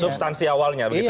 substansi awalnya begitu ya